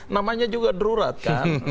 namanya juga darurat kan